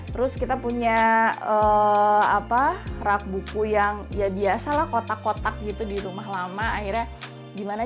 terus kita punya rak buku yang ya biasalah kotak kotak gitu di rumah lama akhirnya gimana